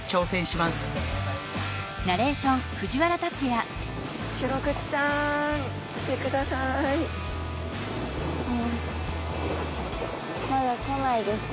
まだこないですね。